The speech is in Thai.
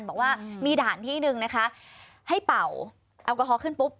บอกว่ามีด่านที่หนึ่งนะคะให้เป่าแอลกอฮอลขึ้นปุ๊บ